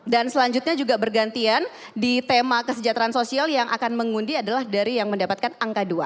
dan selanjutnya juga bergantian di tema kesejahteraan sosial yang akan mengundi adalah dari yang mendapatkan angka dua